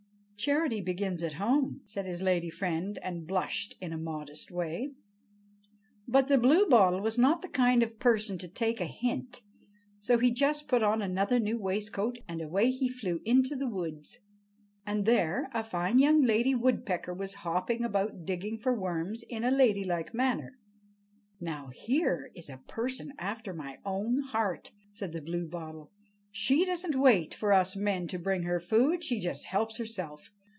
"Charity begins at home," said his lady friend, and blushed in a modest way. But the Bluebottle was not the kind of person to take a hint. So he just put on another new waistcoat, and away he flew into the woods. And there a fine young lady woodpecker was hopping about digging for worms in a ladylike manner. "Now, here is a person after my own heart," said the Bluebottle. "She doesn't wait for us men to bring her food; she just helps herself.